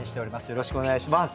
よろしくお願いします。